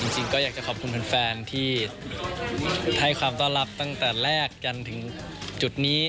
จริงก็อยากจะขอบคุณแฟนที่ให้ความต้อนรับตั้งแต่แรกจนถึงจุดนี้